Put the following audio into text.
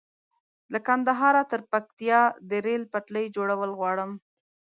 له کندهاره تر پکتيا د ريل پټلۍ جوړول غواړم